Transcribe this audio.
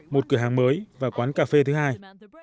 một cửa hàng mới và quán cà phê thứ hai